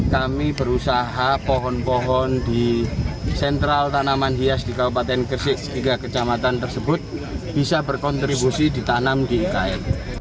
kami berusaha pohon pohon di sentral tanaman hias di kabupaten gresik tiga kecamatan tersebut bisa berkontribusi ditanam di ikn